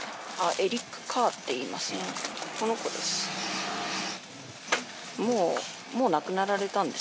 エリック・カーっていいますね、この子です。